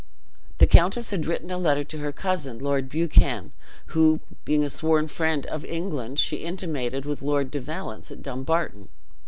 The countess had written a letter to her cousin, Lord Buchan, who being a sworn friend of England, she intimated with Lord de Valence at Dumbarton.